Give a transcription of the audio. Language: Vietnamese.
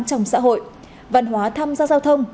trong xã hội văn hóa tham gia giao thông